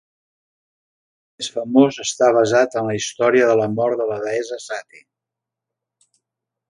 El més famós està basat en la història de la mort de la deessa Sati.